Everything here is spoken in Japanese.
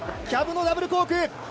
キャブのダブルコーク１０８０！